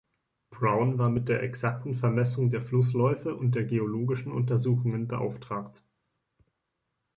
Brown war mit der exakten Vermessung der Flussläufe und geologischen Untersuchungen beauftragt.